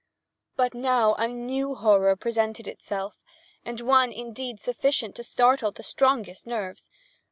But now a new horror presented itself, and one indeed sufficient to startle the strongest nerves.